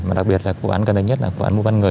mà đặc biệt là vụ án cân đánh nhất là vụ án mua bán người